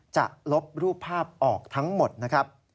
จะลบรูปภาพออกทั้งหมดนะครับ